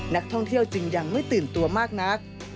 นักท่องเที่ยวจึงยังไม่ตื่นตัวมากนัก